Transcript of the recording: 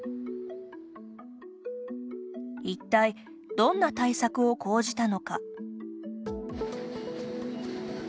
一体どんな対策を講じたのか。